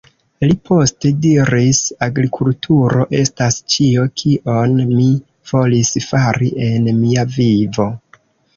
Li poste diris "agrikulturo estas ĉio kion mi volis fari en mia vivo.